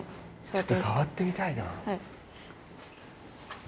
ちょっと触ってみたいな。